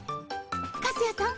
糟谷さん